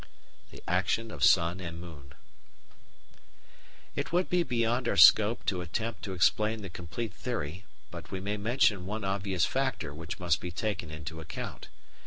The Action of Sun and Moon It would be beyond our scope to attempt to explain the complete theory, but we may mention one obvious factor which must be taken into account.